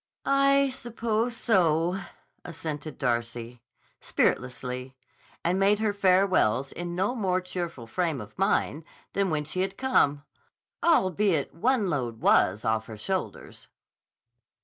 "I suppose so," assented Darcy, spiritlessly, and made her farewells in no more cheerful frame of mind than when she had come, albeit one load was off her shoulders.